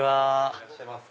いらっしゃいませ。